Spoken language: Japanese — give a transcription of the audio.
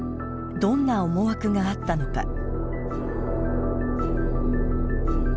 どんな思惑があったのか。